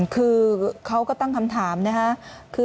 คือเขาก็ตั้งคำถามนะครับ